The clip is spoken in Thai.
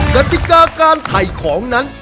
กติกาการถ่ายของนั้น